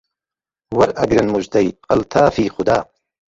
وەرئەگرن موژدەی ئەلتافی خودا